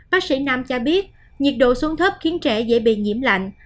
bác sĩ nam cho biết nhiệt độ xuống thấp khiến trẻ dễ bị nhiễm lạnh